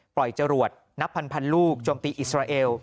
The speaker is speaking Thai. จรวดนับพันลูกโจมตีอิสราเอล